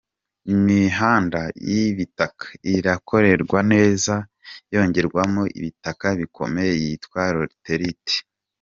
Imihanda y’ibitaka irakorwa neza yongerwamo ibitaka bikomeye byitwa “Raterite”.